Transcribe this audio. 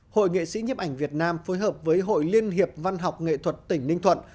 hội nghệ sĩ nhiếp ảnh việt nam phối hợp với hội liên hiệp văn học nghệ thuật tỉnh ninh thuận